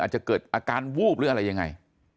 อาจจะเกิดอาการวูบหรืออะไรยังไง